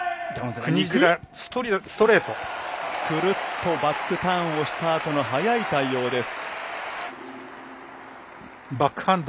くるっとバックターンをしたあとの早い対応です。